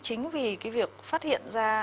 chính vì cái việc phát hiện ra